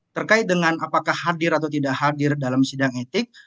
terkait dengan apakah hadir atau tidak hadir dalam sidang etik